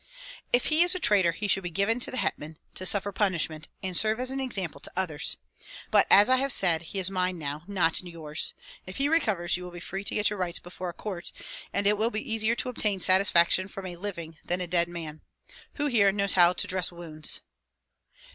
"If he is a traitor he should be given to the hetman to suffer punishment and serve as an example to others. But as I have said, he is mine now, not yours. If he recovers you will be free to get your rights before a court, and it will be easier to obtain satisfaction from a living than a dead man. Who here knows how to dress wounds?"